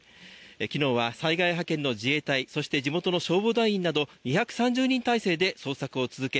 昨日は災害派遣の自衛隊そして地元の消防隊員など２３０人態勢で捜索を続け